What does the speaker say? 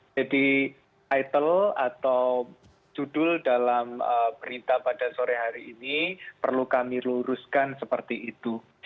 jadi title atau judul dalam perintah pada sore hari ini perlu kami luruskan seperti itu